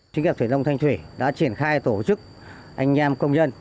sĩ nghiệp thủy nông thanh thủy đã triển khai tổ chức anh em công nhân